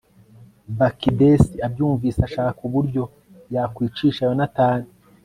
bakidesi abyumvise ashaka uburyo yakwicisha yonatani